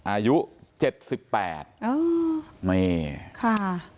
อายุ๗๘ค่ะ